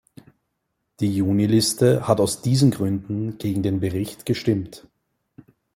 Die Juniliste hat aus diesen Gründen gegen den Bericht gestimmt.